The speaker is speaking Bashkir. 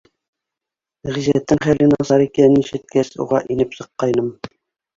Ғиззәттең хәле насар икәнен ишеткәс, уға инеп сыҡҡайным.